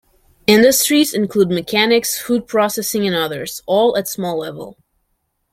Industries include mechanics, food processing and others, all at small level.